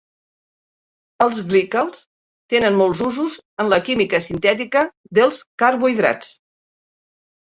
Els glicals tenen molts usos en la química sintètica dels carbohidrats.